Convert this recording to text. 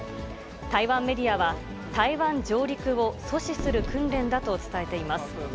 台湾メディアは、台湾上陸を阻止する訓練だと伝えています。